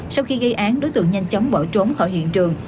sau khi gây án đối tượng nhanh chóng bỏ trốn khỏi hiện trường